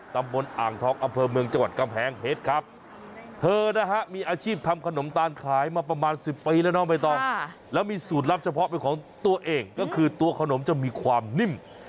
สูตรลับเฉพาะเป็นของตัวเองก็คือตัวขนมจะมีความนิ่ม